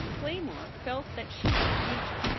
Claymore felt that she had a future.